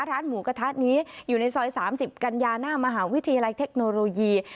ร้านหมูกระทะนี้อยู่ในซอย๓๐กันยาหน้ามหาวิทยาลัยเทคโนโลยี